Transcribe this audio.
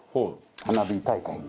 花火大会の。